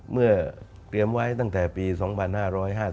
เมื่อเตรียมไว้ตั้งแต่ปี๒๕๕๘